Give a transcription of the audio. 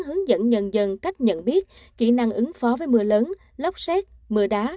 hướng dẫn nhân dân cách nhận biết kỹ năng ứng phó với mưa lớn lốc xét mưa đá